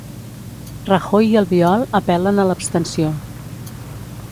Rajoy i Albiol apel·len a l'abstenció.